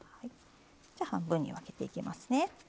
じゃ半分に分けていきますね。